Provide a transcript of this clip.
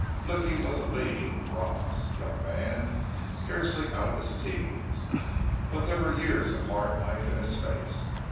Blicky was a lean, bronzed young man, scarcely out of his teens, but there were years of hard life in his face.